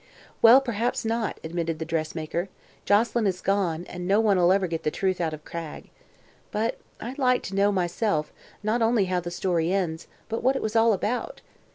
"Well, perhaps not," admitted the dressmaker. "Joselyn is gone and no one'll ever get the truth out of Cragg. But I'd like to know, myself, not only how the story ends but what it was all about.